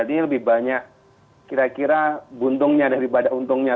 ini lebih banyak kira kira buntungnya daripada untungnya